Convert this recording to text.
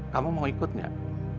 kamu mau ikut gak